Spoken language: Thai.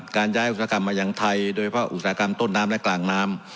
การย้ายอุตสาหกรรมมายังไทยโดยเฉพาะอุตสาหกรรมต้นน้ำและกลางน้ำ